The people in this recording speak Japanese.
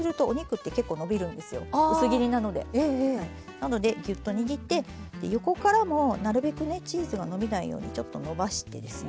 なのでギュッと握ってで横からもなるべくねチーズが伸びないようにちょっと伸ばしてですね